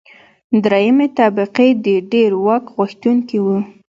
درېیمې طبقې د ډېر واک غوښتونکي وو.